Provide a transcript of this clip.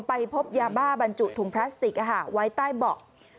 ไปพบยาบ้าบรรจุถุงพลาสติกไว้ใต้เบาะ